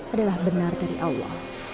adalah benar dari allah